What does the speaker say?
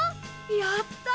やった！